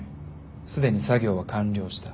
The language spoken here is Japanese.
すでに作業は完了した。